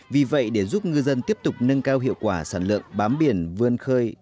vì vậy để giúp ngư dân tiếp tục nâng cao hiệu quả sản lượng bám biển vươn khơi